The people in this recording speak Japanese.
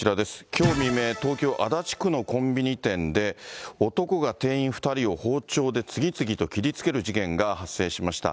きょう未明、東京・足立区のコンビニ店で、男が店員２人を包丁で次々と切りつける事件が発生しました。